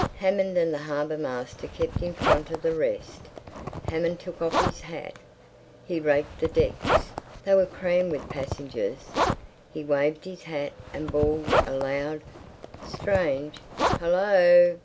Hammond and the harbour master kept in front of the rest. Hammond took off his hat; he raked the decks—they were crammed with passengers; he waved his hat and bawled a loud, strange "Hul lo!"